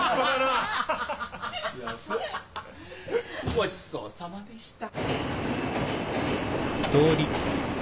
ごちそうさまでした。